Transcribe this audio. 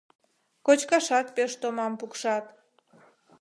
Кочкашат пеш томам пукшат.